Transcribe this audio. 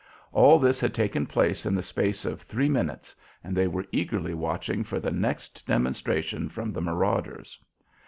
All this had taken place in the space of three minutes, and they were eagerly watching for the next demonstration from the marauders.